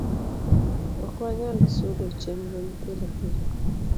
ok wanyal sudo chenro ni pile pile